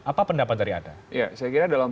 apa pendapat dari anda ya saya kira dalam